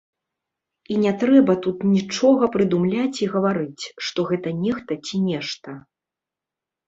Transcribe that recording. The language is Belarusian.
І не трэба тут нічога прыдумляць і гаварыць, што гэта нехта ці нешта.